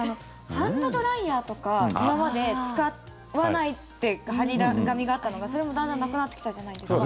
ハンドドライヤーとか今まで使わないっていう貼り紙があったのがそれもだんだんなくなってきたじゃないですか。